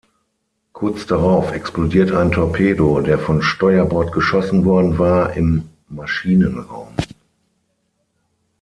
Kurz darauf explodiert ein Torpedo, der von Steuerbord geschossen worden war, im Maschinenraum.